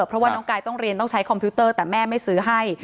เพราะว่าน้องกายต้องเรียนต้องใช้คอมพิวเตอร์แต่แม่ไม่ซื้อให้